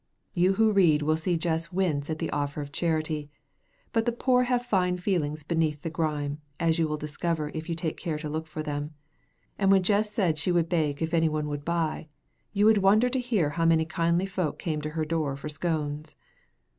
You who read will see Jess wince at the offer of charity. But the poor have fine feelings beneath the grime, as you will discover if you care to look for them; and when Jess said she would bake if anyone would buy, you would wonder to hear how many kindly folk came to her door for scones.